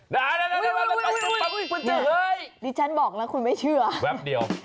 ดิฉันบอกแล้วคุณไม่เชื่อแป๊บเดียว